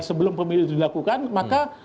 sebelum pemilih itu dilakukan maka